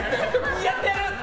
やってやる！って。